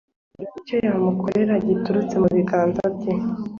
amusaba kugira icyo yamukorera giturutse mu biganza bye.